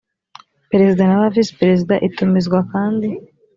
perezida na ba visi perezida itumizwa kandi